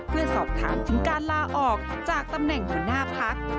เพื่อสอบถามถึงการลาออกจากตำแหน่งหัวหน้าพัก